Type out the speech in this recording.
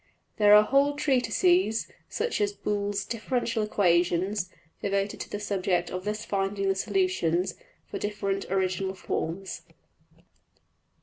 There are whole treatises, such as Boole's \textit{Differential Equations}, devoted to the subject of thus finding the ``solutions'' for different original forms.